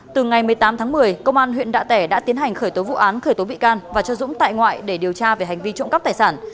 từ ngày một mươi tám tháng một mươi công an huyện đạ tẻ đã tiến hành khởi tố vụ án khởi tố bị can và cho dũng tại ngoại để điều tra về hành vi trộm cắp tài sản